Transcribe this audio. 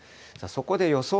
そこで予想